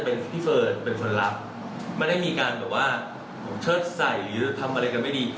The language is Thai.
เป็นคนลับไม่ได้มีการแบบว่าเชิดใส่หรือทำอะไรกันไม่ดี